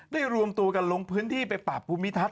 รวมตัวกันลงพื้นที่ไปปรับภูมิทัศน